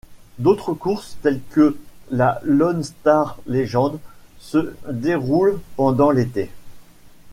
D'autres courses telles que la Lone Star Legends se déroulent pendant l'été.